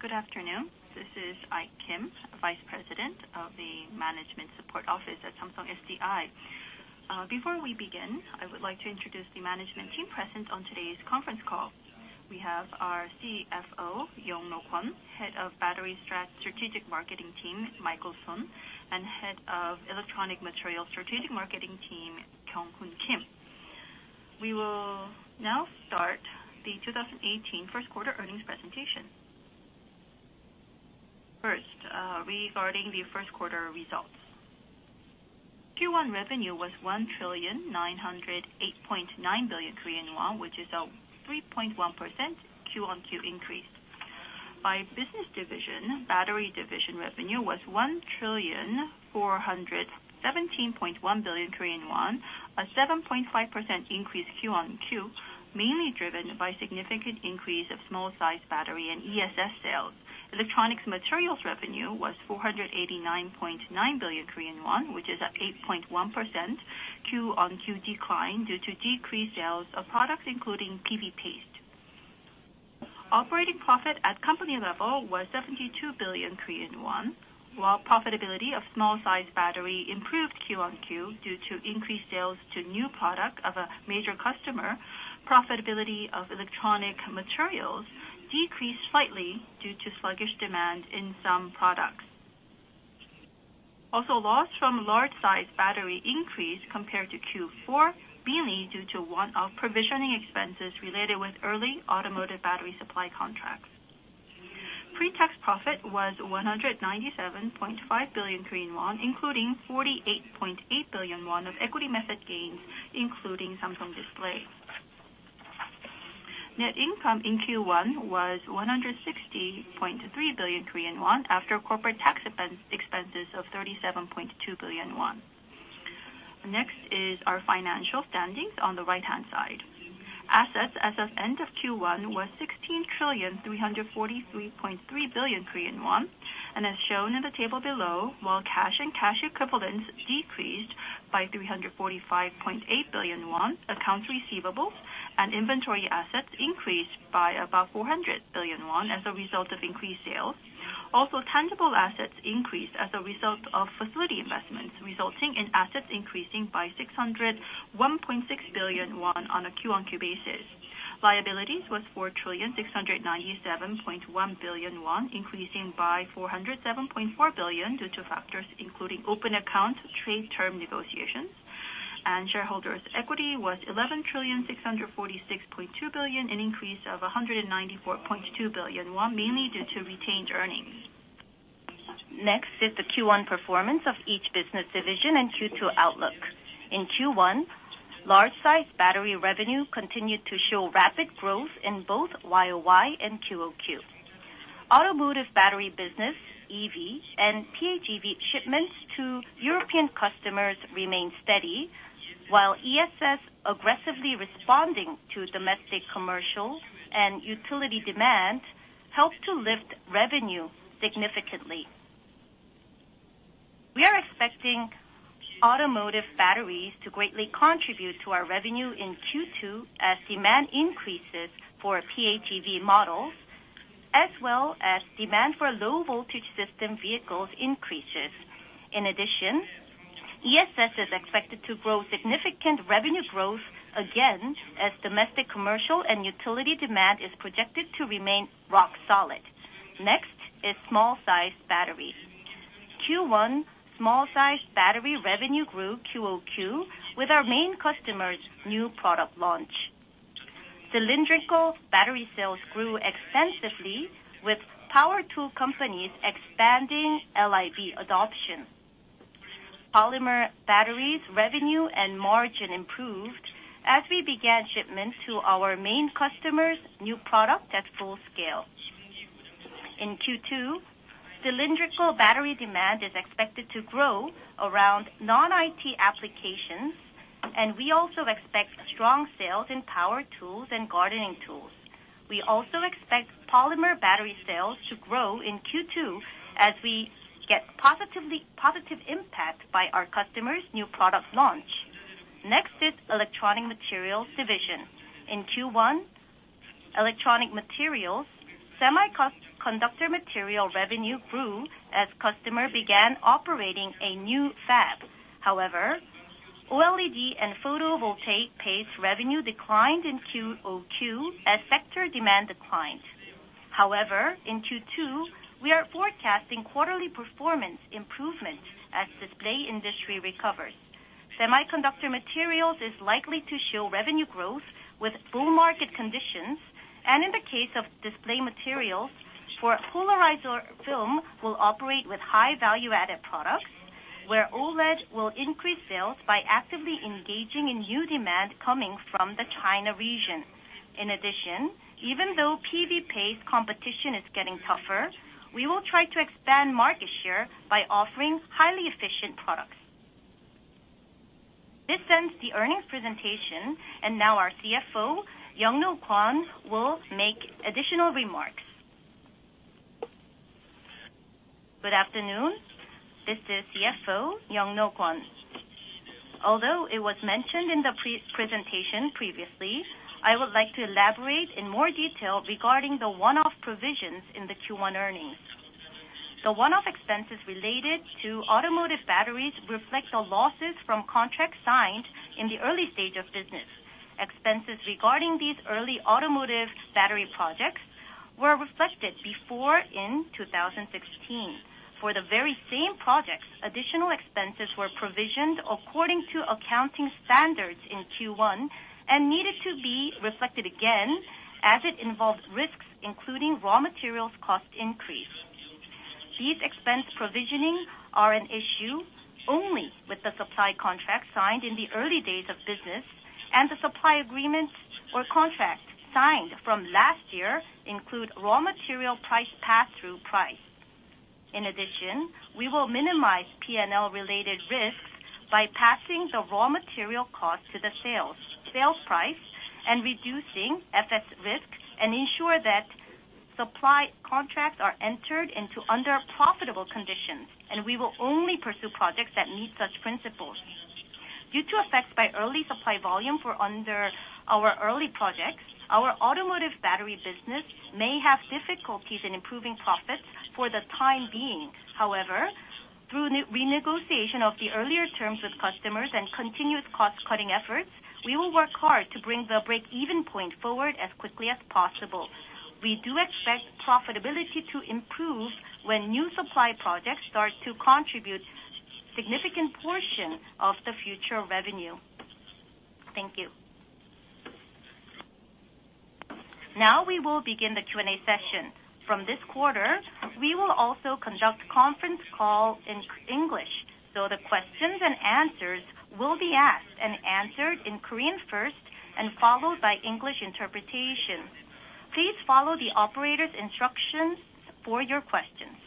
Good afternoon. This is Ik-hyeon Kim, Vice President of the Management Support Office at Samsung SDI. Before we begin, I would like to introduce the management team present on today's conference call. We have our CFO, Young-no Kwon, Head of Battery Strategic Marketing team, Michael Son, and Head of Electronic Material Strategic Marketing team, Kyoung-hun Kim. We will now start the 2018 first quarter earnings presentation. First, regarding the first quarter results. Q1 revenue was 1,908.9 billion Korean won, which is a 3.1% quarter-over-quarter increase. By business division, battery division revenue was 1,417.1 billion Korean won, a 7.5% increase quarter-over-quarter, mainly driven by significant increase of small-sized battery and ESS sales. Electronic materials revenue was 489.9 billion Korean won, which is an 8.1% quarter-over-quarter decline due to decreased sales of products including PV paste. Operating profit at company level was 72 billion Korean won, while profitability of small-sized battery improved quarter-over-quarter due to increased sales to new product of a major customer. Profitability of electronic materials decreased slightly due to sluggish demand in some products. Also, loss from large-sized battery increased compared to Q4, mainly due to one-off provisioning expenses related with early automotive battery supply contracts. Pre-tax profit was 197.5 billion Korean won, including 48.8 billion won of equity method gains, including Samsung Display. Net income in Q1 was 160.3 billion Korean won after corporate tax expenses of 37.2 billion won. Next is our financial standings on the right-hand side. Assets as of end of Q1 were 16,343.3 billion Korean won, and as shown in the table below, while cash and cash equivalents decreased by 345.8 billion won, accounts receivables and inventory assets increased by about 400 billion won as a result of increased sales. Also, tangible assets increased as a result of facility investments, resulting in assets increasing by 601.6 billion won on a quarter-over-quarter basis. Liabilities was 4,697.1 billion won, increasing by 407.4 billion due to factors including open account trade term negotiations. Shareholders' equity was 11,646.2 billion, an increase of 194.2 billion won, mainly due to retained earnings. Next is the Q1 performance of each business division and Q2 outlook. In Q1, large-sized battery revenue continued to show rapid growth in both year-over-year and quarter-over-quarter. Automotive battery business, EV and PHEV shipments to European customers remained steady, while ESS aggressively responding to domestic, commercial, and utility demand helped to lift revenue significantly. We are expecting automotive batteries to greatly contribute to our revenue in Q2 as demand increases for PHEV models, as well as demand for low-voltage system vehicles increases. In addition, ESS is expected to grow significant revenue growth again as domestic, commercial, and utility demand is projected to remain rock solid. Next is small-sized batteries. Q1 small-sized battery revenue grew quarter-over-quarter with our main customer's new product launch. Cylindrical battery sales grew extensively with power tool companies expanding LIB adoption. Polymer batteries revenue and margin improved as we began shipments to our main customer's new product at full scale. In Q2, cylindrical battery demand is expected to grow around non-IT applications, and we also expect strong sales in power tools and gardening tools. We also expect polymer battery sales to grow in Q2 as we get positive impact by our customer's new product launch. Next is electronic materials division. In Q1, electronic materials, semiconductor material revenue grew as customer began operating a new fab. However, OLED and photovoltaic paste revenue declined in QoQ as sector demand declined. However, in Q2, we are forecasting quarterly performance improvement as display industry recovers. Semiconductor materials is likely to show revenue growth with bull market conditions, and in the case of display materials, for polarizer film will operate with high value-added products, where OLED will increase sales by actively engaging in new demand coming from the China region. In addition, even though PV paste competition is getting tougher, we will try to expand market share by offering highly efficient products. This ends the earnings presentation, and now our CFO, Young-no Kwon, will make additional remarks. Good afternoon. This is CFO Young-no Kwon. Although it was mentioned in the presentation previously, I would like to elaborate in more detail regarding the one-off provisions in the Q1 earnings. The one-off expenses related to automotive batteries reflect the losses from contracts signed in the early stage of business. Expenses regarding these early automotive battery projects were reflected before in 2016. For the very same projects, additional expenses were provisioned according to accounting standards in Q1 and needed to be reflected again as it involves risks, including raw materials cost increase. These expense provisioning are an issue only with the supply contract signed in the early days of business, and the supply agreement or contract signed from last year include raw material price, pass-through price. In addition, we will minimize P&L-related risks by passing the raw material cost to the sales price and reducing FX risk and ensure that supply contracts are entered into under profitable conditions. We will only pursue projects that meet such principles. Due to effects by early supply volume for under our early projects, our automotive battery business may have difficulties in improving profits for the time being. However, through renegotiation of the earlier terms with customers and continuous cost-cutting efforts, we will work hard to bring the break-even point forward as quickly as possible. We do expect profitability to improve when new supply projects start to contribute significant portion of the future revenue. Thank you. Now we will begin the Q&A session. From this quarter, we will also conduct conference call in English, so the questions and answers will be asked and answered in Korean first and followed by English interpretations. Please follow the operator's instructions for your questions.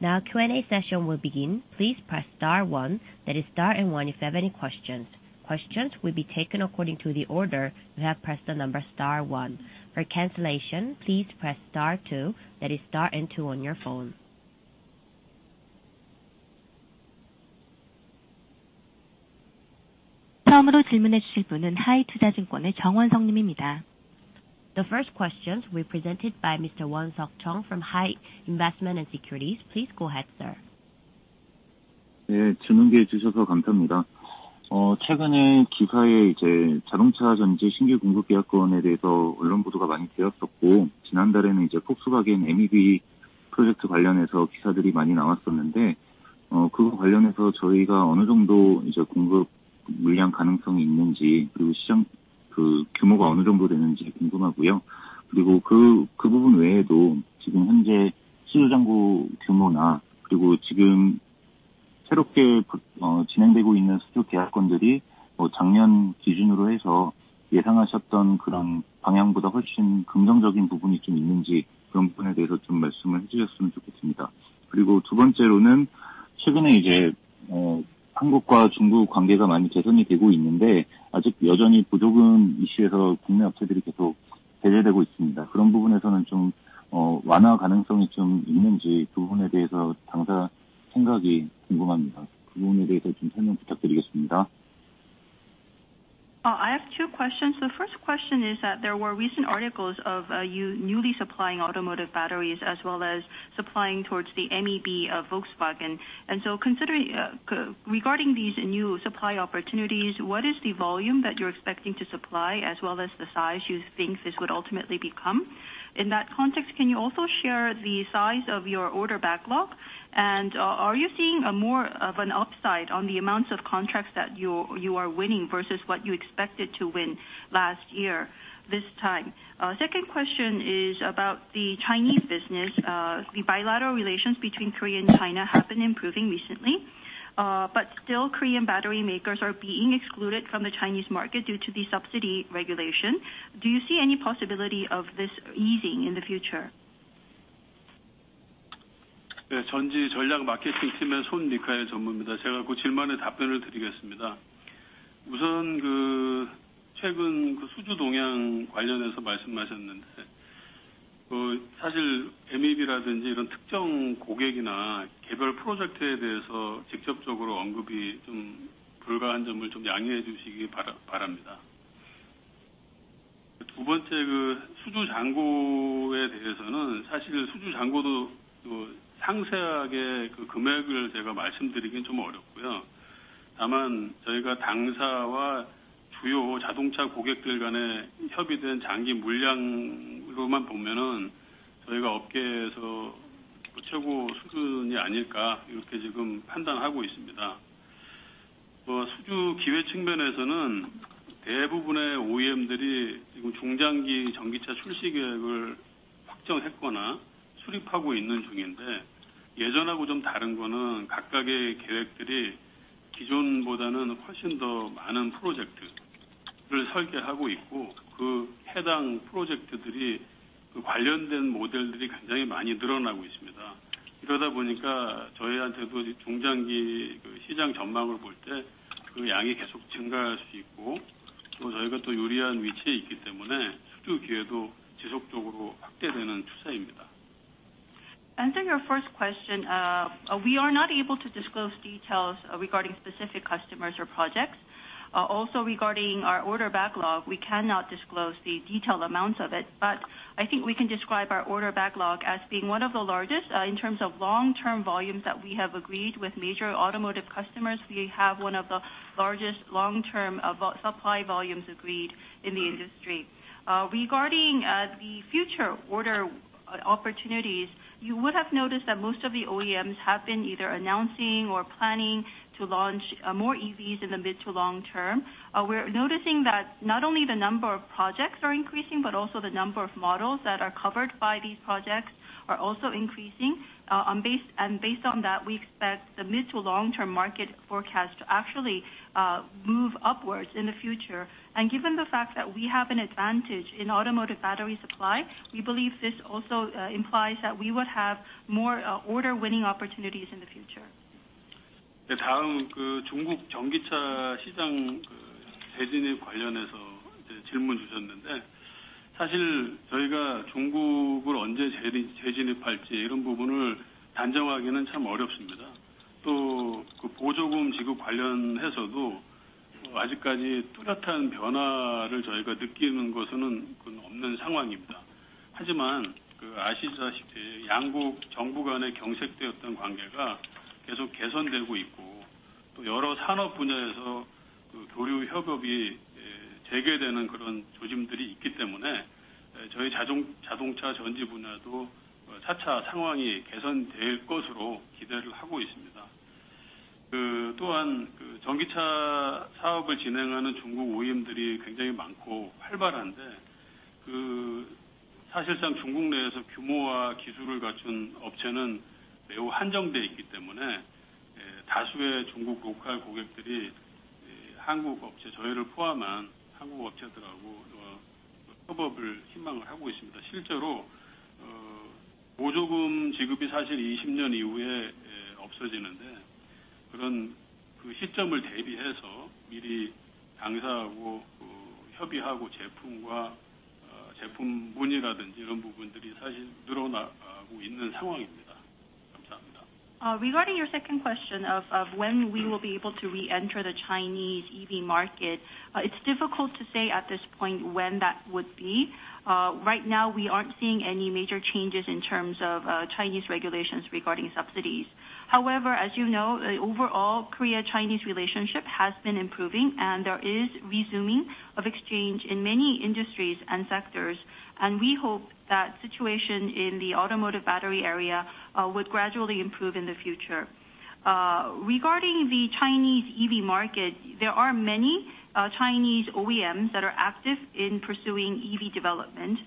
Now, Q&A session will begin. Please press star one, that is star and one, if you have any questions. Questions will be taken according to the order you have pressed the number star one. For cancellation, please press star two, that is star and two on your phone. The first questions will be presented by Mr. Wonsuk Chung from HI Investment & Securities. Please go ahead, sir. I have two questions. The first question is that there were recent articles of you newly supplying automotive batteries as well as supplying towards the MEB Volkswagen. Regarding these new supply opportunities, what is the volume that you're expecting to supply, as well as the size you think this would ultimately become? In that context, can you also share the size of your order backlog? Are you seeing more of an upside on the amounts of contracts that you are winning versus what you expected to win last year this time? Second question is about the Chinese business. The bilateral relations between Korea and China have been improving recently. Still Korean battery makers are being excluded from the Chinese market due to the subsidy regulation. Do you see any possibility of this easing in the future? 를 설계하고 있고, 그 해당 프로젝트들의 관련된 모델들이 굉장히 많이 늘어나고 있습니다. 이러다 보니까 저희한테도 중장기 시장 전망을 볼때그 양이 계속 증가할 수 있고, 저희가 유리한 위치에 있기 때문에 수주 기회도 지속적으로 확대되는 추세입니다. Answering your first question, we are not able to disclose details regarding specific customers or projects. Also, regarding our order backlog, we cannot disclose the detailed amounts of it, but I think we can describe our order backlog as being one of the largest in terms of long-term volumes that we have agreed with major automotive customers. We have one of the largest long-term supply volumes agreed in the industry. Regarding the future order opportunities, you would have noticed that most of the OEMs have been either announcing or planning to launch more EVs in the mid to long term. We're noticing that not only the number of projects are increasing, but also the number of models that are covered by these projects are also increasing. Based on that, we expect the mid to long-term market forecast to actually move upwards in the future. Given the fact that we have an advantage in automotive battery supply, we believe this also implies that we would have more order winning opportunities in the future. 다음은 중국 전기차 시장 재진입 관련해서 질문 주셨는데, 사실 저희가 중국을 언제 재진입할지 이런 부분을 단정하기는 참 어렵습니다. 또 보조금 지급 관련해서도 아직까지 뚜렷한 변화를 저희가 느끼는 것은 없는 상황입니다. 하지만 아시다시피 양국 정부 간에 경색되었던 관계가 계속 개선되고 있고, 또 여러 산업 분야에서 교류 협업이 재개되는 그런 조짐들이 있기 때문에, 저희 자동차 전지 분야도 차차 상황이 개선될 것으로 기대를 하고 있습니다. 또한 전기차 사업을 진행하는 중국 OEM들이 굉장히 많고 활발한데, 사실상 중국 내에서 규모와 기술을 갖춘 업체는 매우 한정돼 있기 때문에 다수의 중국 local 고객들이 한국 업체, 저희를 포함한 한국 업체들하고 협업을 희망을 하고 있습니다. 실제로 보조금 지급이 사실 2020년 이후에 없어지는데, 그런 시점을 대비해서 미리 당사하고 협의하고, 제품과 제품군이라든지 이런 부분들이 사실 늘어나고 있는 상황입니다. 감사합니다. Regarding your second question of when we will be able to reenter the Chinese EV market, it's difficult to say at this point when that would be. Right now, we aren't seeing any major changes in terms of Chinese regulations regarding subsidies. However, as you know, overall Korea-Chinese relationship has been improving, there is resuming of exchange in many industries and sectors, and we hope that situation in the automotive battery area would gradually improve in the future. Regarding the Chinese EV market, there are many Chinese OEMs that are active in pursuing EV development.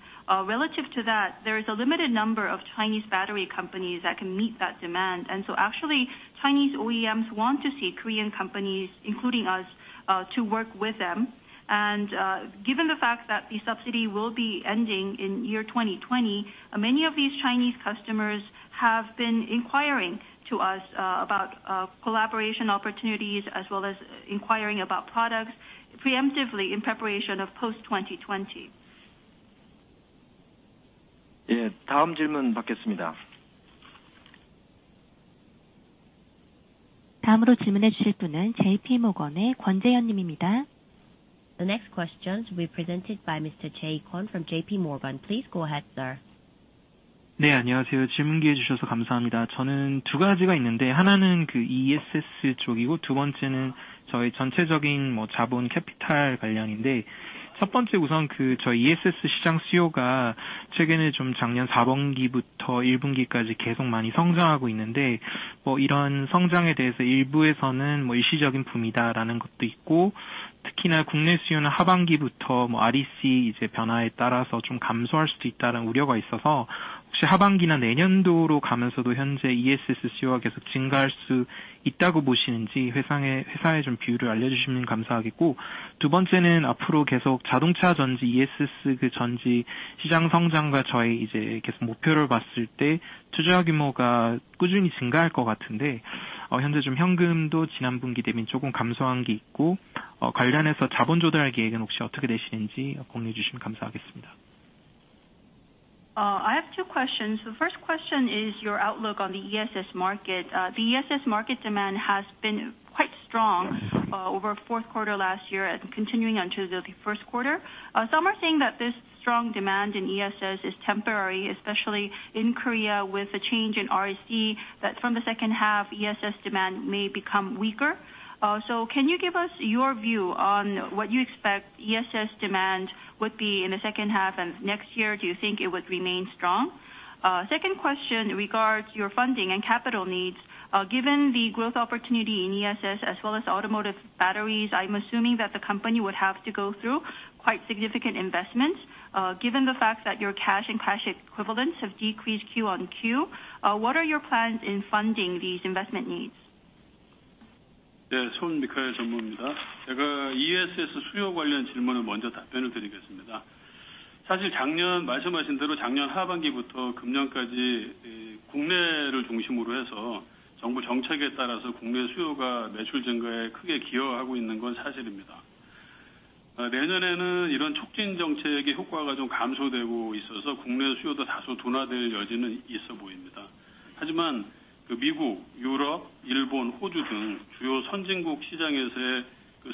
Relative to that, there is a limited number of Chinese battery companies that can meet that demand. Actually, Chinese OEMs want to see Korean companies, including us, to work with them. Given the fact that the subsidy will be ending in year 2020, many of these Chinese customers have been inquiring to us about collaboration opportunities as well as inquiring about products preemptively in preparation of post 2020. 네, 다음 질문 받겠습니다. 다음으로 질문해 주실 분은 JP Morgan의 권재현 님입니다. The next question will be presented by Mr. Jae Kwon from JP Morgan. Please go ahead, sir. 네, 안녕하세요. 질문 기회 주셔서 감사합니다. 저는 두 가지가 있는데 하나는 ESS 쪽이고 두 번째는 저희 전체적인 자본, 캐피탈 관련인데, 첫 번째 우선 ESS 시장 수요가 최근에 작년 4분기부터 1분기까지 계속 많이 성장하고 있는데, 이런 성장에 대해서 일부에서는 일시적인 붐이라는 것도 있고, 특히나 국내 수요는 하반기부터 REC 변화에 따라서 감소할 수도 있다는 우려가 있어서 혹시 하반기나 내년도로 가면서도 현재 ESS 수요가 계속 증가할 수 있다고 보시는지 회사의 견해를 알려주시면 감사하겠고, 두 번째는 앞으로 계속 자동차 전지, ESS 전지 시장 성장과 저희의 계속된 목표를 봤을 때 투자 규모가 꾸준히 증가할 것 같은데, 현재 현금도 지난 분기 대비 조금 감소한 게 있고, 관련해서 자본 조달 계획은 혹시 어떻게 되시는지 공유해 주시면 감사하겠습니다. I have two questions. The first question is your outlook on the ESS market. The ESS market demand has been quite strong over fourth quarter last year and continuing on to the first quarter. Some are saying that this strong demand in ESS is temporary, especially in Korea, with a change in REC, that from the second half, ESS demand may become weaker. Can you give us your view on what you expect ESS demand would be in the second half and next year? Do you think it would remain strong? Second question regards your funding and capital needs. Given the growth opportunity in ESS as well as automotive batteries, I am assuming that the company would have to go through quite significant investments. Given the fact that your cash and cash equivalents have decreased Q on Q, what are your plans in funding these investment needs? 네, 손미카엘 전무입니다. 제가 ESS 수요 관련 질문을 먼저 답변을 드리겠습니다. 사실 말씀하신 대로 작년 하반기부터 금년까지 국내를 중심으로 해서 정부 정책에 따라서 국내 수요가 매출 증가에 크게 기여하고 있는 건 사실입니다. 내년에는 이런 촉진 정책의 효과가 좀 감소되고 있어서 국내 수요도 다소 둔화될 여지는 있어 보입니다. 하지만 미국, 유럽, 일본, 호주 등 주요 선진국 시장에서의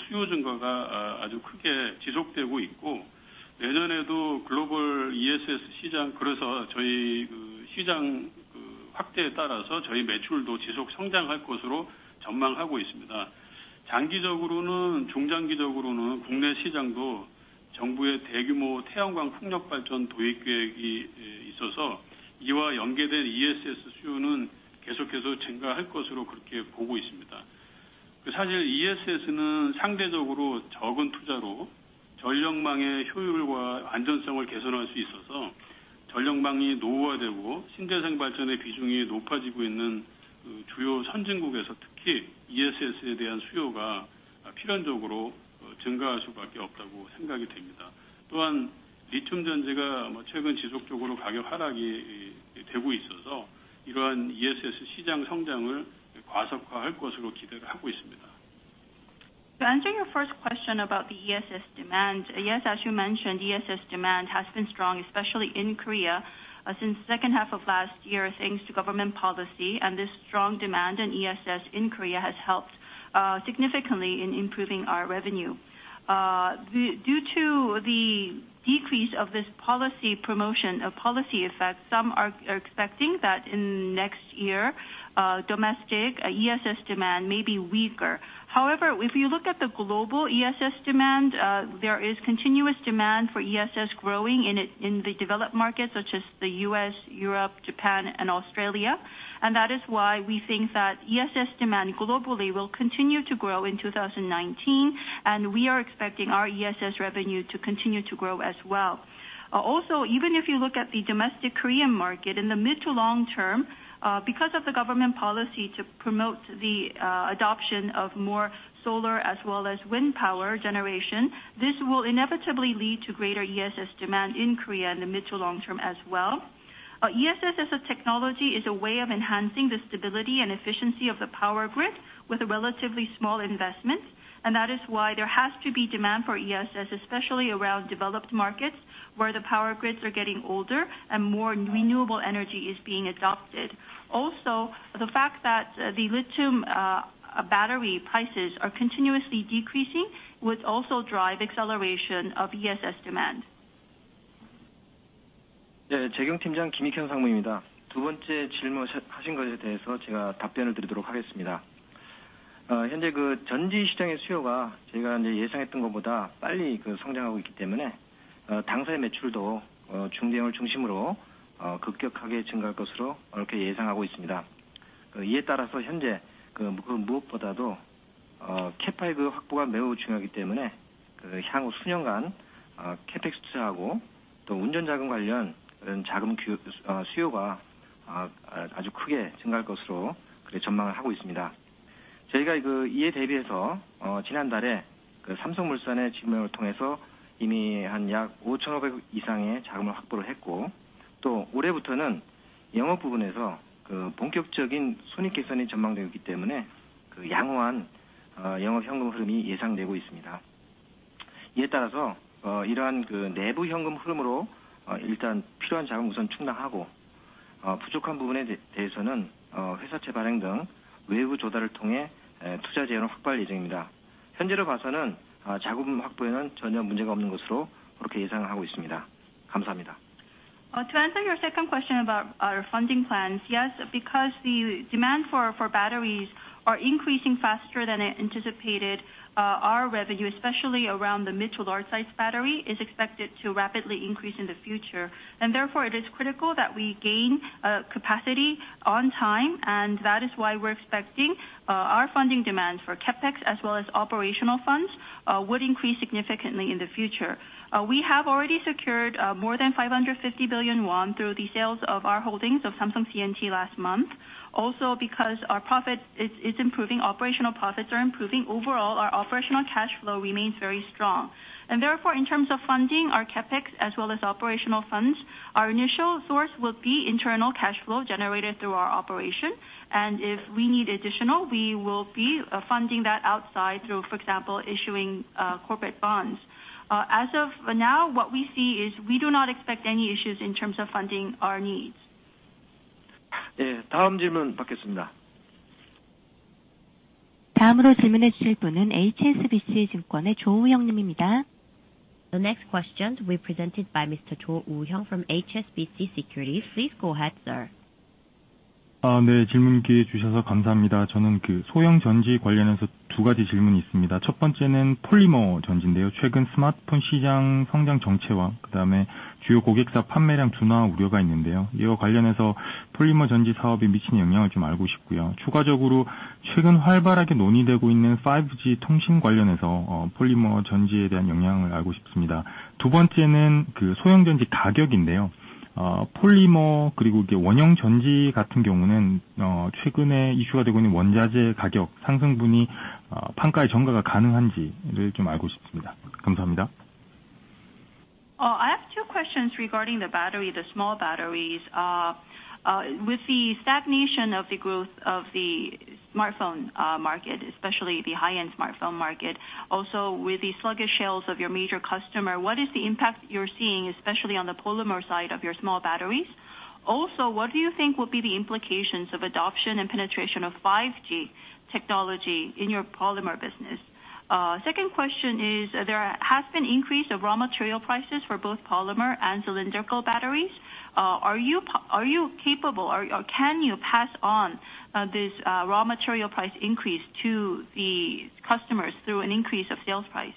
수요 증가가 아주 크게 지속되고 있고, 내년에도 글로벌 ESS 시장, 그래서 저희 시장 확대에 따라서 저희 매출도 지속 성장할 것으로 전망하고 있습니다. 중장기적으로는 국내 시장도 정부의 대규모 태양광 풍력 발전 도입 계획이 있어서 이와 연계된 ESS 수요는 계속해서 증가할 것으로 그렇게 보고 있습니다. 사실 ESS는 상대적으로 적은 투자로 전력망의 효율과 안전성을 개선할 수 있어서 전력망이 노후화되고 신재생 발전의 비중이 높아지고 있는 주요 선진국에서 특히 ESS에 대한 수요가 필연적으로 증가할 수밖에 없다고 생각이 됩니다. 또한 리튬 전지가 최근 지속적으로 가격 하락이 되고 있어서 이러한 ESS 시장 성장을 가속화할 것으로 기대를 하고 있습니다. To answer your first question about the ESS demand. Yes, as you mentioned, ESS demand has been strong, especially in Korea since second half of last year, thanks to government policy. This strong demand in ESS in Korea has helped significantly in improving our revenue. Due to the decrease of this policy promotion of policy effect, some are expecting that in next year, domestic ESS demand may be weaker. If you look at the global ESS demand, there is continuous demand for ESS growing in the developed markets such as the U.S., Europe, Japan, and Australia. That is why we think that ESS demand globally will continue to grow in 2019, and we are expecting our ESS revenue to continue to grow as well. Even if you look at the domestic Korean market in the mid to long term, because of the government policy to promote the adoption of more solar as well as wind power generation, this will inevitably lead to greater ESS demand in Korea in the mid to long term as well. ESS as a technology is a way of enhancing the stability and efficiency of the power grid with a relatively small investment. That is why there has to be demand for ESS, especially around developed markets, where the power grids are getting older and more renewable energy is being adopted. The fact that the lithium battery prices are continuously decreasing would also drive acceleration of ESS demand. 네, 재경팀장 김익현 상무입니다. 두 번째 질문하신 것에 대해서 제가 답변을 드리도록 하겠습니다. 현재 전지 시장의 수요가 저희가 예상했던 것보다 빨리 성장하고 있기 때문에 당사의 매출도 중대형을 중심으로 급격하게 증가할 것으로 예상하고 있습니다. 이에 따라서 현재 무엇보다도 Capex 확보가 매우 중요하기 때문에 향후 수년간 Capex 투자하고 또 운전 자금 관련 자금 수요가 아주 크게 증가할 것으로 전망을 하고 있습니다. 저희가 이에 대비해서 지난달에 삼성물산의 지분을 통해서 이미 한약 5,500억 이상의 자금을 확보를 했고, 또 올해부터는 영업 부분에서 본격적인 순익 개선이 전망되고 있기 때문에 양호한 영업 현금 흐름이 예상되고 있습니다. 이에 따라서 이러한 내부 현금 흐름으로 일단 필요한 자금 우선 충당하고, 부족한 부분에 대해서는 회사채 발행 등 외부 조달을 통해 투자 재원을 확보할 예정입니다. 현재로 봐서는 자금 확보에는 전혀 문제가 없는 것으로 예상을 하고 있습니다. 감사합니다. To answer your second question about our funding plans. Yes, because the demand for batteries are increasing faster than anticipated. Our revenue, especially around the mid to large size battery, is expected to rapidly increase in the future. Therefore, it is critical that we gain capacity on time, and that is why we are expecting our funding demands for CapEx as well as operational funds would increase significantly in the future. We have already secured more than 550 billion won through the sales of our holdings of Samsung C&T last month. Because our profit is improving, operational profits are improving. Overall, our operational cash flow remains very strong. Therefore, in terms of funding our CapEx as well as operational funds, our initial source will be internal cash flow generated through our operation. If we need additional, we will be funding that outside through, for example, issuing corporate bonds. As of now, what we see is we do not expect any issues in terms of funding our needs. 네, 다음 질문 받겠습니다. 다음으로 질문해 주실 분은 HSBC 증권의 조우형 님입니다. The next question will be presented by Mr. 조우형 from HSBC Securities. Please go ahead, sir. 네, 질문 기회 주셔서 감사합니다. 저는 소형 전지 관련해서 두 가지 질문이 있습니다. 첫 번째는 폴리머 전지인데요. 최근 스마트폰 시장 성장 정체와 그다음에 주요 고객사 판매량 둔화 우려가 있는데요. 이와 관련해서 폴리머 전지 사업에 미치는 영향을 알고 싶고요. 추가적으로 최근 활발하게 논의되고 있는 5G 통신 관련해서 폴리머 전지에 대한 영향을 알고 싶습니다. 두 번째는 소형 전지 가격인데요. 폴리머 그리고 원형 전지 같은 경우는 최근에 이슈가 되고 있는 원자재 가격 상승분이 판가에 전가가 가능한지를 알고 싶습니다. 감사합니다. I have two questions regarding the small batteries. With the stagnation of the growth of the smartphone market, especially the high-end smartphone market, also with the sluggish sales of your major customer, what is the impact you're seeing, especially on the polymer side of your small batteries? Also, what do you think will be the implications of adoption and penetration of 5G technology in your polymer business? Second question is, there has been increase of raw material prices for both polymer and cylindrical batteries. Are you capable, or can you pass on this raw material price increase to the customers through an increase of sales price?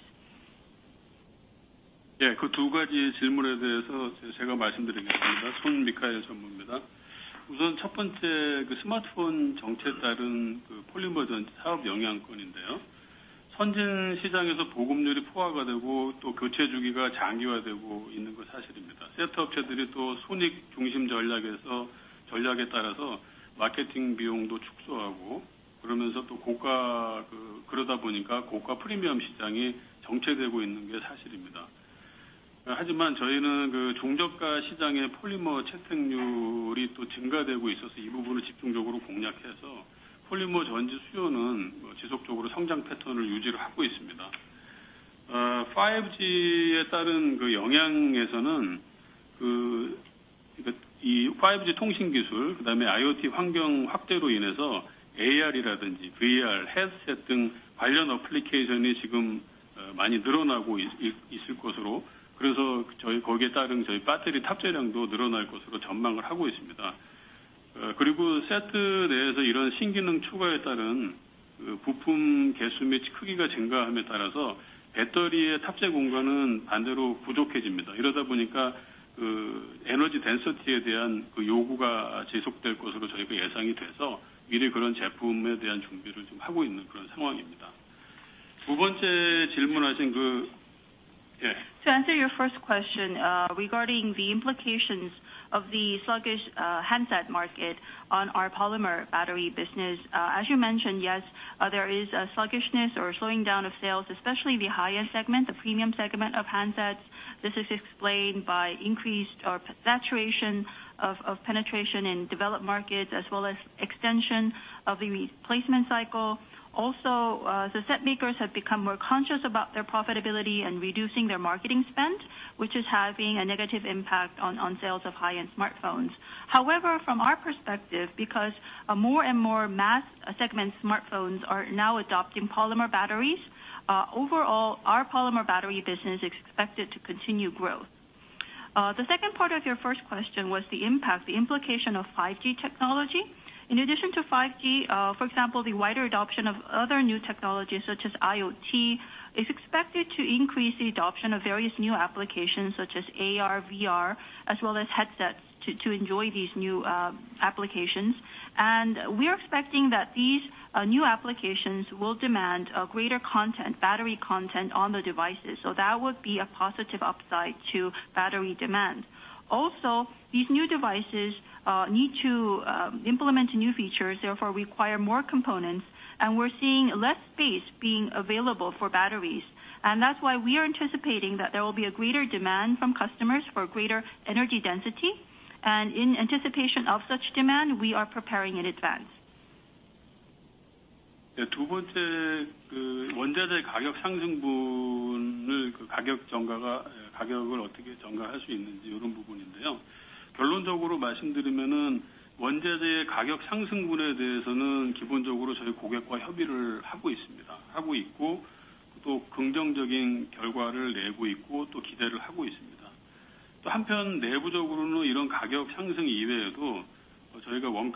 To answer your first question, regarding the implications of the sluggish handset market on our polymer battery business. As you mentioned, yes, there is a sluggishness or slowing down of sales, especially the higher segment, the premium segment of handsets. This is explained by increased or saturation of penetration in developed markets, as well as extension of the replacement cycle. Also, the set makers have become more conscious about their profitability and reducing their marketing spend, which is having a negative impact on sales of high-end smartphones. However, from our perspective, because more and more mass segment smartphones are now adopting polymer batteries, overall our polymer battery business is expected to continue growth. The second part of your first question was the impact, the implication of 5G technology. In addition to 5G, for example, the wider adoption of other new technologies such as IoT, is expected to increase the adoption of various new applications such as AR, VR, as well as headsets to enjoy these new applications. We are expecting that these new applications will demand a greater battery content on the devices. That would be a positive upside to battery demand. Also, these new devices need to implement new features, therefore require more components. We're seeing less space being available for batteries. That's why we are anticipating that there will be a greater demand from customers for greater energy density. In anticipation of such demand, we are preparing in advance. Regarding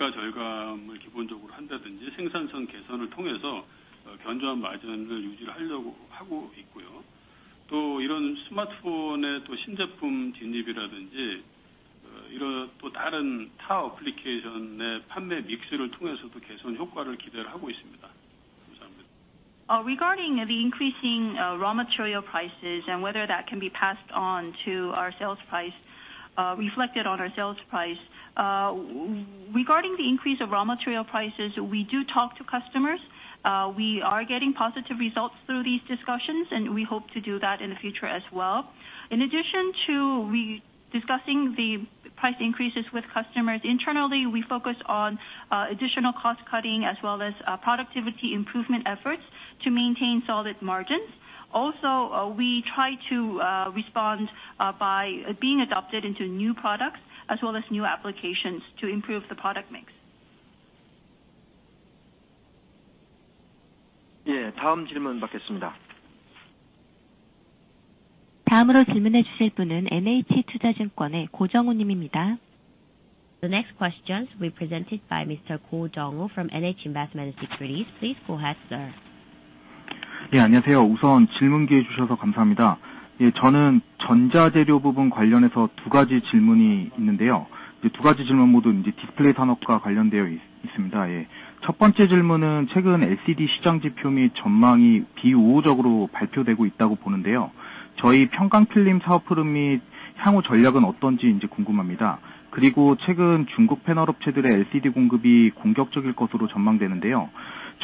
the increasing raw material prices and whether that can be passed on to our sales price, reflected on our sales price. Regarding the increase of raw material prices, we do talk to customers. We are getting positive results through these discussions. We hope to do that in the future as well. In addition to discussing the price increases with customers internally, we focus on additional cost cutting as well as productivity improvement efforts to maintain solid margins. Also, we try to respond by being adopted into new products as well as new applications to improve the product mix. The next questions will be presented by Mr. Go Jung Ho from NH Investment & Securities. Please go ahead, sir.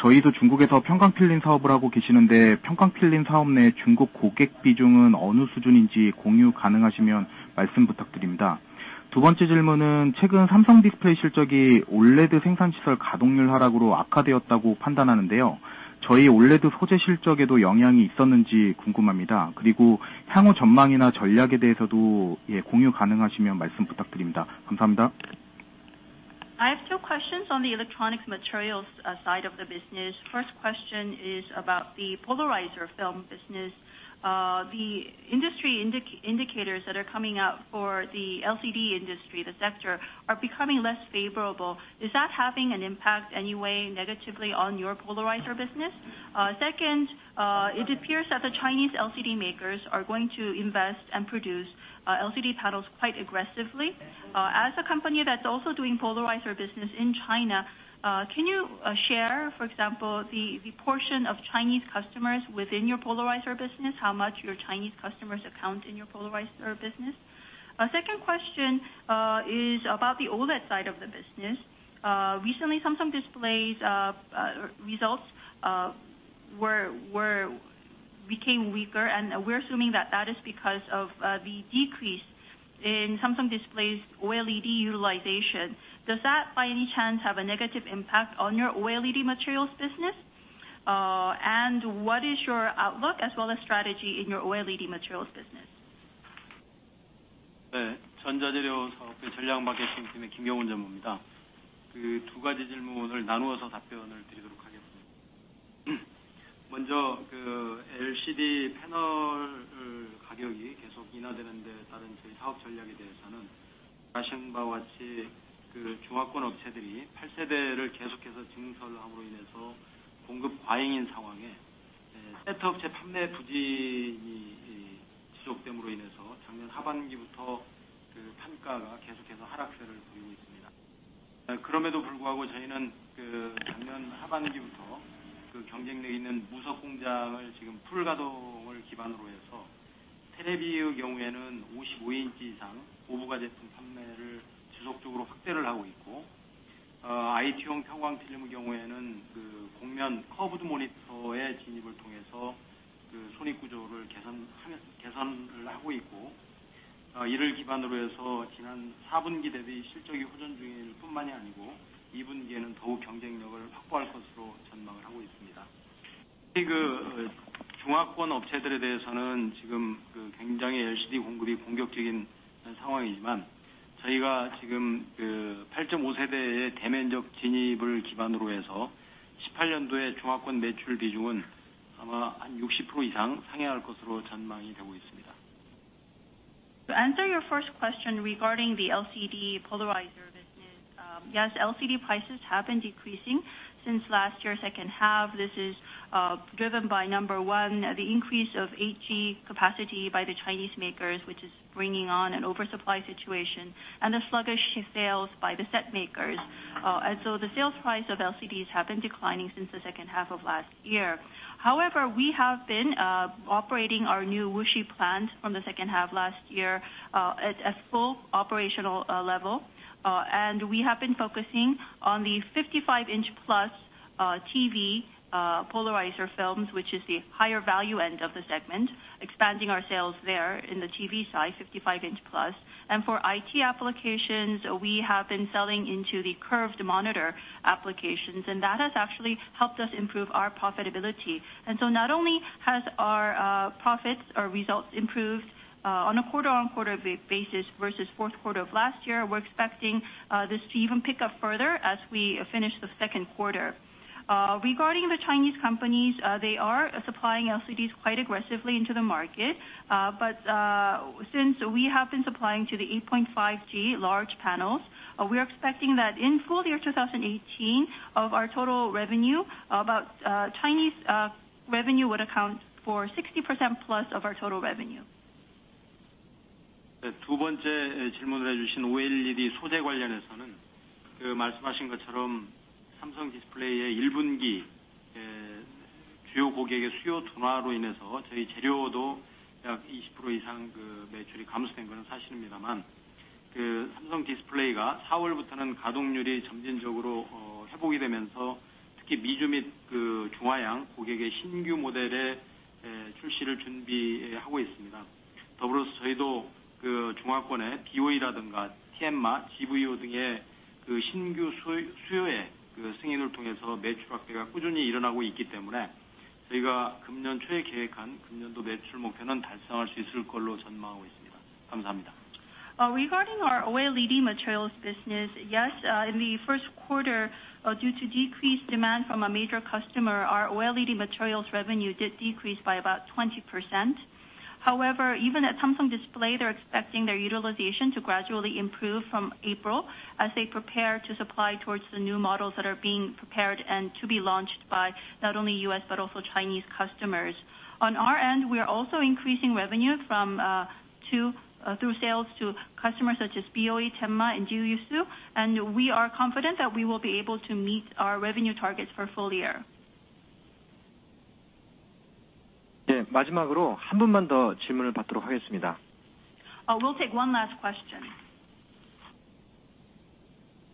저희도 중국에서 편광필름 사업을 하고 계시는데, 편광필름 사업 내 중국 고객 비중은 어느 수준인지 공유 가능하시면 말씀 부탁드립니다. 두 번째 질문은 최근 삼성 디스플레이 실적이 OLED 생산 시설 가동률 하락으로 악화되었다고 판단하는데요. 저희 OLED 소재 실적에도 영향이 있었는지 궁금합니다. 그리고 향후 전망이나 전략에 대해서도 공유 가능하시면 말씀 부탁드립니다. 감사합니다. I have two questions on the electronics materials side of the business. First question is about the polarizer film business. The industry indicators that are coming out for the LCD industry, the sector, are becoming less favorable. Is that having an impact any way negatively on your polarizer business? Second, it appears that the Chinese LCD makers are going to invest and produce LCD panels quite aggressively. As a company that's also doing polarizer business in China, can you share, for example, the portion of Chinese customers within your polarizer business, how much your Chinese customers account in your polarizer business? Second question is about the OLED side of the business. Recently, Samsung Display's results became weaker. We're assuming that that is because of the decrease in Samsung Display's OLED utilization. Does that by any chance have a negative impact on your OLED materials business? What is your outlook as well as strategy in your OLED materials business? 전자재료사업부 전략마케팅팀의 김경훈 전무입니다. 두 가지 질문을 나누어서 답변을 드리도록 하겠습니다. 먼저 LCD 패널 가격이 계속 인하되는 데 따른 저희 사업 전략에 대해서는, Hua Xing과 같이 중화권 업체들이 8세대를 계속해서 증설함으로 인해서 공급 과잉인 상황에, 세트 업체 판매 부진이 지속됨으로 인해서 작년 하반기부터 판가가 계속해서 하락세를 보이고 있습니다. 그럼에도 불구하고 저희는 작년 하반기부터 경쟁력 있는 무석 공장을 지금 풀 가동을 기반으로 해서 TV의 경우에는 55인치 이상 고부가 제품 판매를 지속적으로 확대를 하고 있고, IT용 편광필름의 경우에는 곡면, 커브드 모니터의 진입을 통해서 손익 구조를 개선을 하고 있고, 이를 기반으로 해서 지난 4분기 대비 실적이 호전 중일 뿐만이 아니고, 2분기에는 더욱 경쟁력을 확보할 것으로 전망을 하고 있습니다. 중화권 업체들에 대해서는 지금 굉장히 LCD 공급이 공격적인 상황이지만, 저희가 지금 8.5G의 대면적 진입을 기반으로 해서 2018년도에 중화권 매출 비중은 아마 한 60% 이상 상회할 것으로 전망이 되고 있습니다. To answer your first question regarding the LCD polarizer business. Yes, LCD prices have been decreasing since last year's second half. This is driven by, number 1, the increase of 8G capacity by the Chinese makers, which is bringing on an oversupply situation and the sluggish sales by the set makers. So the sales price of LCDs have been declining since the second half of last year. However, we have been operating our new Wuxi plant from the second half last year at a full operational level. We have been focusing on the 55-inch-plus TV polarizer films, which is the higher value end of the segment, expanding our sales there in the TV size, 55-inch-plus. For IT applications, we have been selling into the curved monitor applications, and that has actually helped us improve our profitability. Not only has our profits, our results improved on a quarter-on-quarter basis versus fourth quarter of last year, we're expecting this to even pick up further as we finish the second quarter. Regarding the Chinese companies, they are supplying LCDs quite aggressively into the market. Since we have been supplying to the 8.5 G large panels, we are expecting that in full year 2018 of our total revenue, about Chinese revenue would account for 60% plus of our total revenue. 두 번째 질문으로 주신 OLED 소재 관련해서는 말씀하신 것처럼 Samsung Display의 1분기 주요 고객의 수요 둔화로 인해서 저희 재료도 약 20% 이상 매출이 감소된 것은 사실입니다만, Samsung Display가 4월부터는 가동률이 점진적으로 회복이 되면서 특히 미주 및 중화권 고객의 신규 모델의 출시를 준비하고 있습니다. 더불어서 저희도 중화권의 BOE라든가 Tianma, GVO 등의 신규 수요의 승인을 통해서 매출 확대가 꾸준히 일어나고 있기 때문에, 저희가 금년 초에 계획한 금년도 매출 목표는 달성할 수 있을 것으로 전망하고 있습니다. 감사합니다. Regarding our OLED materials business, yes, in the first quarter, due to decreased demand from a major customer, our OLED materials revenue did decrease by about 20%. However, even at Samsung Display, they're expecting their utilization to gradually improve from April as they prepare to supply towards the new models that are being prepared and to be launched by not only U.S., but also Chinese customers. On our end, we are also increasing revenue through sales to customers such as BOE, Tianma, and GVO, we are confident that we will be able to meet our revenue targets for full year. 네, 마지막으로 한 분만 더 질문을 받도록 하겠습니다. We'll take one last question.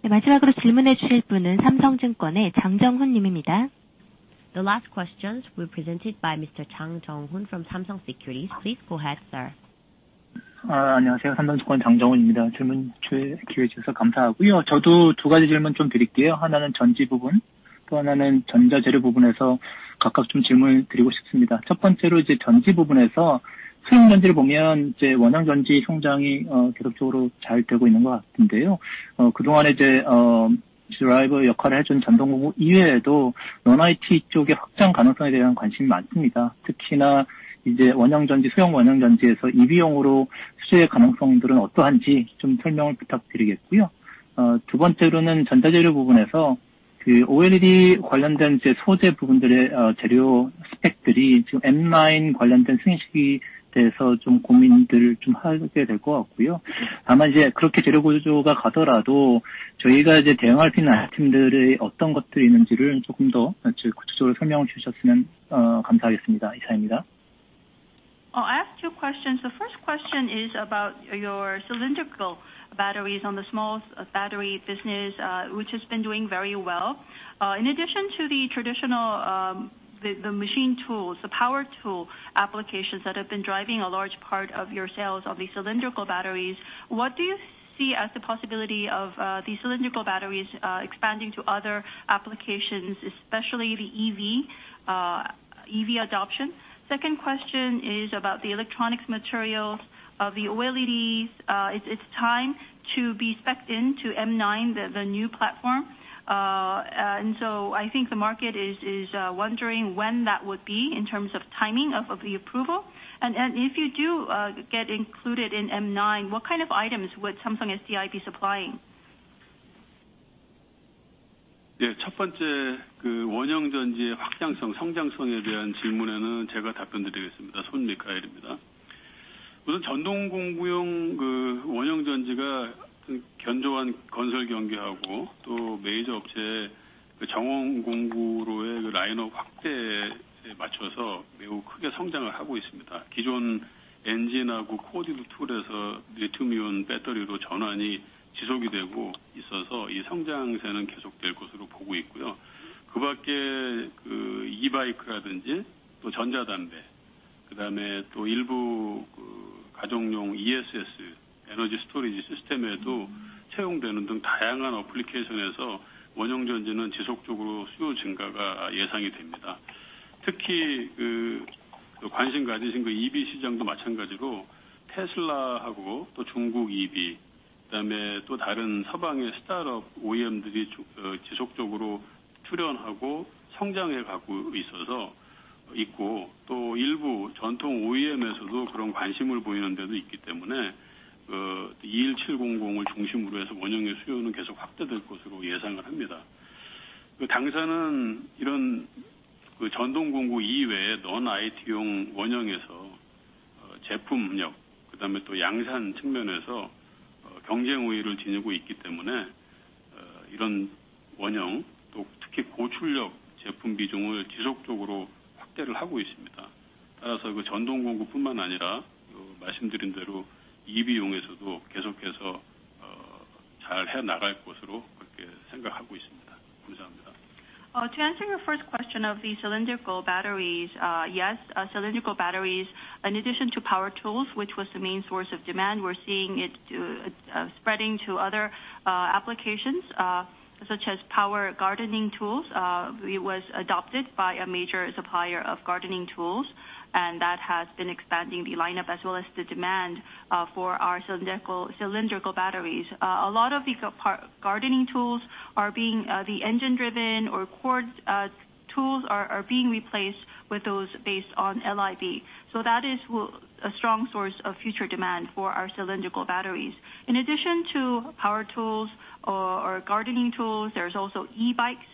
네, 마지막으로 질문해 주실 분은 삼성증권의 장정훈 님입니다. The last questions will be presented by Mr. 장정훈 from Samsung Securities. Please go ahead, sir. 안녕하세요. 삼성증권 장정훈입니다. 질문 기회 주셔서 감사하고요. 저도 두 가지 질문 드릴게요. 하나는 전지 부분, 또 하나는 전자재료 부분에서 각각 질문을 드리고 싶습니다. 첫 번째로 전지 부분에서 수형 전지를 보면 원형 전지 성장이 계속적으로 잘 되고 있는 것 같은데요. 그동안에 driver 역할을 해준 전동공구 이외에도 non-IT 쪽의 확장 가능성에 대한 관심이 많습니다. 특히나 수형 원형 전지에서 EV용으로 수주의 가능성들은 어떠한지 설명을 부탁드리겠고요. 두 번째로는 전자재료 부분에서 OLED 관련된 소재 부분들의 재료 스펙들이 M9 관련된 승인 시기에 대해서 고민들을 하게 될것 같고요. 다만 그렇게 재료 구조가 가더라도 저희가 대항할 수 있는 아이템들이 어떤 것들이 있는지를 조금 더 구체적으로 설명을 주셨으면 감사하겠습니다. 이상입니다. I have two questions. The first question is about your cylindrical batteries on the small battery business, which has been doing very well. In addition to the traditional, the machine tools, the power tool applications that have been driving a large part of your sales of the cylindrical batteries, what do you see as the possibility of these cylindrical batteries expanding to other applications, especially the EV adoption? Second question is about the electronics material of the OLEDs. It's time to be specced into M9, the new platform. I think the market is wondering when that would be in terms of timing of the approval. If you do get included in M9, what kind of items would Samsung SDI be supplying? 네, 첫 번째 원형 전지의 확장성, 성장성에 대한 질문에는 제가 답변드리겠습니다. 손미카엘입니다. 우선 전동공구용 원형 전지가 견조한 건설경기하고 또 메이저 업체의 정원 공구로의 라인업 확대에 맞춰서 매우 크게 성장을 하고 있습니다. 기존 엔진하고 코일 툴에서 리튬이온 배터리로 전환이 지속이 되고 있어서 이 성장세는 계속될 것으로 보고 있고요. 그 밖에 e-bike라든지 또 전자담배, 그다음에 또 일부 가정용 ESS에도 채용되는 등 다양한 어플리케이션에서 원형 전지는 지속적으로 수요 증가가 예상이 됩니다. 특히 관심 가지신 EV 시장도 마찬가지로 테슬라하고 또 중국 EV, 그다음에 또 다른 서방의 스타트업 OEM들이 지속적으로 출연하고 성장해 가고 있고, 또 일부 전통 OEM에서도 그런 관심을 보이는 데도 있기 때문에 21700을 중심으로 해서 원형의 수요는 계속 확대될 것으로 예상을 합니다. 당사는 이런 전동공구 이외에 non-IT용 원형에서 제품력, 그다음에 또 양산 측면에서 경쟁 우위를 지니고 있기 때문에 이런 원형, 또 특히 고출력 제품 비중을 지속적으로 확대를 하고 있습니다. 따라서 전동공구뿐만 아니라 말씀드린 대로 EV용에서도 계속해서 잘 해나갈 것으로 그렇게 생각하고 있습니다. 감사합니다. To answer your first question of the cylindrical batteries. Yes, cylindrical batteries in addition to power tools, which was the main source of demand, we're seeing it spreading to other applications such as power gardening tools. It was adopted by a major supplier of gardening tools, and that has been expanding the lineup as well as the demand for our cylindrical batteries. A lot of the gardening tools are being the engine driven or cord tools are being replaced with those based on LIB. That is a strong source of future demand for our cylindrical batteries. In addition to power tools or gardening tools, there's also e-bikes,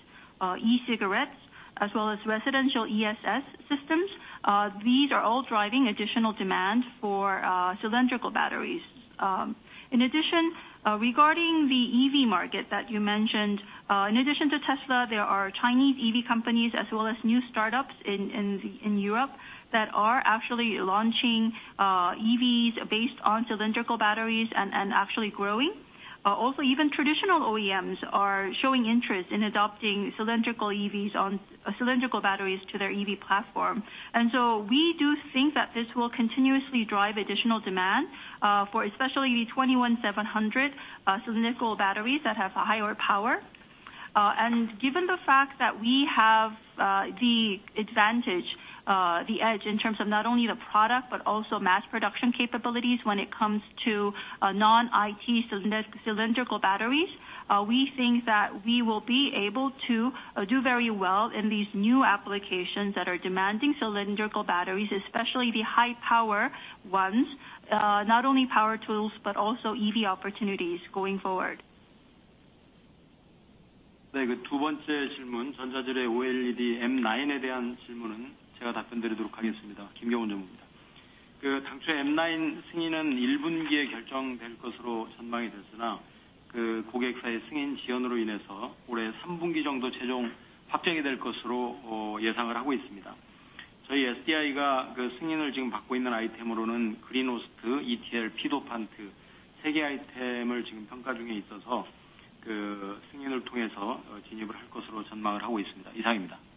e-cigarettes, as well as residential ESS systems. These are all driving additional demand for cylindrical batteries. In addition, regarding the EV market that you mentioned, in addition to Tesla, there are Chinese EV companies as well as new startups in Europe that are actually launching EVs based on cylindrical batteries and actually growing. Also, even traditional OEMs are showing interest in adopting cylindrical EVs on cylindrical batteries to their EV platform. So we do think that this will continuously drive additional demand for especially the 21700 cylindrical batteries that have a higher power. Given the fact that we have the advantage, the edge in terms of not only the product, but also mass production capabilities when it comes to non-IT cylindrical batteries, we think that we will be able to do very well in these new applications that are demanding cylindrical batteries, especially the high power ones, not only power tools, but also EV opportunities going forward. 네, 두 번째 질문, 전자재료의 OLED M9에 대한 질문은 제가 답변드리도록 하겠습니다. 김경훈 전무입니다. 당초 M9 승인은 1분기에 결정될 것으로 전망이 됐으나, 고객사의 승인 지연으로 인해서 올해 3분기 정도 최종 확정이 될 것으로 예상을 하고 있습니다. 저희 SDI가 승인을 지금 받고 있는 아이템으로는 Green Host, ETL, p-dopant 세개 아이템을 지금 평가 중에 있어서 승인을 통해서 진입을 할 것으로 전망을 하고 있습니다. 이상입니다. Regarding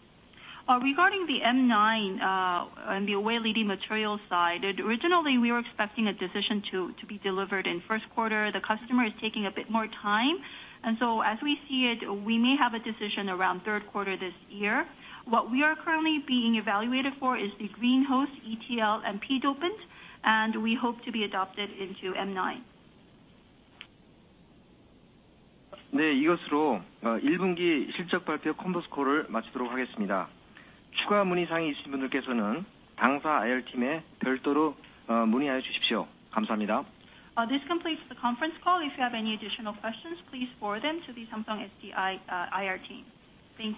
the M9 on the OLED material side. Originally, we were expecting a decision to be delivered in first quarter. The customer is taking a bit more time, so as we see it, we may have a decision around third quarter this year. What we are currently being evaluated for is the Green Host, ETL, and p-dopant, and we hope to be adopted into M9. 네, 이것으로 1분기 실적 발표 컨퍼런스 콜을 마치도록 하겠습니다. 추가 문의 사항이 있으신 분들께서는 당사 IR팀에 별도로 문의하여 주십시오. 감사합니다. This completes the conference call. If you have any additional questions, please forward them to the Samsung SDI IR team. Thank you.